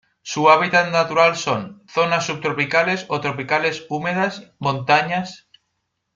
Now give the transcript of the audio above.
Su hábitat natural son: zonas subtropicales o tropicales húmedas, montañas